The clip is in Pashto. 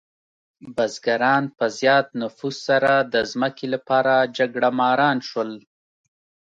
بزګران په زیات نفوس سره د ځمکې لپاره جګړهماران شول.